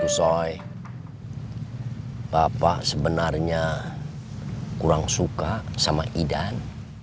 usai bapak sebenarnya kurang suka sama idan